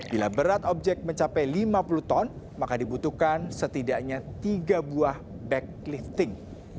bila berat objek mencapai lima puluh ton maka dibutuhkan setidaknya tiga buah back lifting